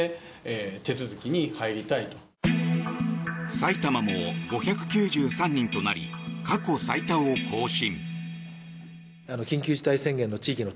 埼玉も５９３人となり過去最多を更新。